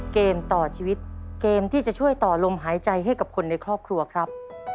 เกมต่อชีวิตเกมที่จะช่วยต่อลมหายใจให้กับคนในครอบครัวครับ